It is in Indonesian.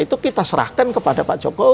itu kita serahkan kepada pak jokowi